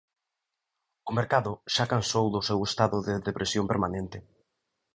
O mercado xa cansou do seu estado de depresión permanente.